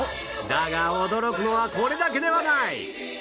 だが驚くのはこれだけではない！